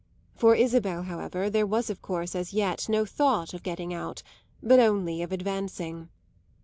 For Isabel, however, there was of course as yet no thought of getting out, but only of advancing.